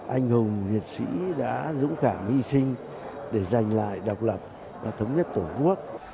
anh hùng liệt sĩ đã dũng cảm hy sinh để giành lại độc lập và thống nhất tổ quốc